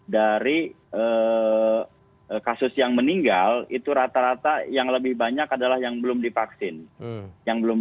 dari kasus yang meninggal itu rata rata yang lebih banyak adalah yang belum divaksin